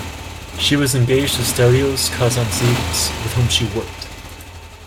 She was engaged to Stelios Kazantzidis, with whom she worked.